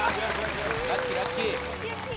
ラッキーラッキー。